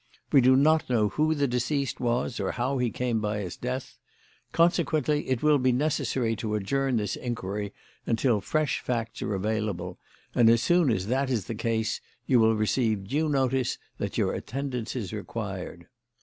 We do not know who the deceased was or how he came by his death. Consequently, it will be necessary to adjourn this inquiry until fresh facts are available, and as soon as that is the case, you will receive due notice that your attendance is required."